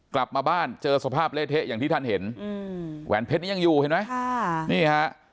กลับมาบ้านเจอสภาพเละเทะอย่างที่ท่านเห็นอืมแหวนเพชรนี้ยังอยู่เห็นไหมค่ะนี่ฮะ